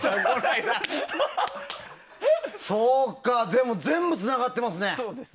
でも、全部つながってますね。